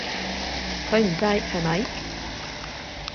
佢唔制，係咪？